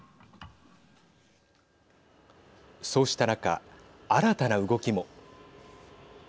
そうした中、新たな動きも。